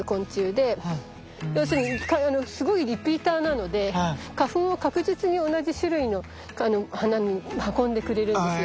要するにすごいリピーターなので花粉を確実に同じ種類の花に運んでくれるんです。